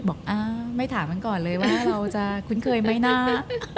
บอกไม่ถามมันก่อนเลยว่าเราจะคุ้นเคยไหมนะ